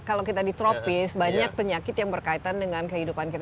kalau kita di tropis banyak penyakit yang berkaitan dengan kehidupan kita